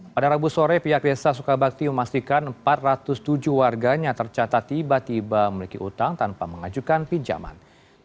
pada rabu sore pihak desa sukabakti memastikan empat ratus tujuh warganya tercatat tiba tiba memiliki utang tanpa mengajukan pinjaman